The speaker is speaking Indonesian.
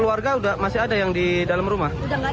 udah gak ada semua